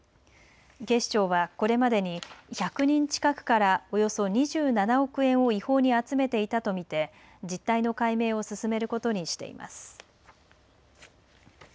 警視庁はこれまでに１００人近くからおよそ２７億円を違法に集めていたと見て実態の解明を進めることにしています。